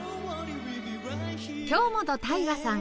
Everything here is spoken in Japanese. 京本大我さん